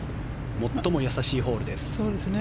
最も易しいホールです。